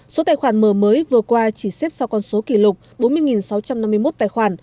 số tài khoản mở mới vừa qua chỉ xếp sau con số kỷ lục bốn mươi sáu trăm năm mươi một tài khoản